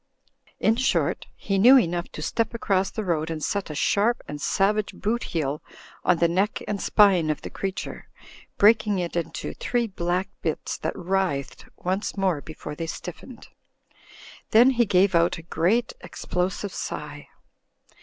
In short, he knew enough to step across the road and set a sharp and savage boot heel on the neck and spine of the creature, breaking it into three black bits that writhed once more before they stiffened. Then he gave out a great explosive sigh.